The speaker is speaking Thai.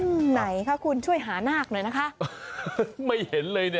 ไม่เห็นเลยเนี่ย